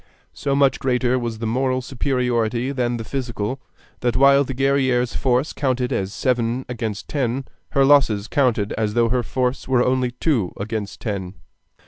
So much greater was the moral superiority than the physical, that while the Guerrière's force counted as seven against ten, her losses counted as though her force were only two against ten.